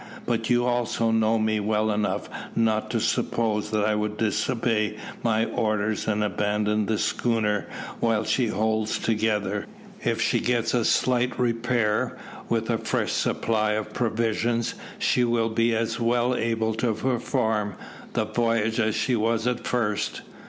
"But you also know me well enough not to suppose that I would disobey my orders and abandon the schooner while she holds together. If she gets a slight repair, with a fresh supply of provisions, she will be as well able to perform the voyage as she was at first.